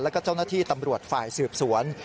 แล้วก็เจ้าหน้าที่ตำรวจฝ่ายสืบสวน